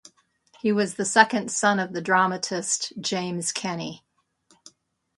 He was the second son of the dramatist James Kenney.